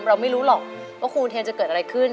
เราไม่รู้หรอกว่าครูเทนจะเกิดอะไรขึ้น